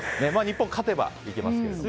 日本は勝てばいけますが。